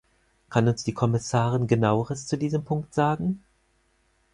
Kann uns die Kommissarin Genaueres zu diesem Punkt sagen?